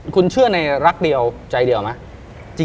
คุณเชื่อในรักเดียวใจเดียวไหม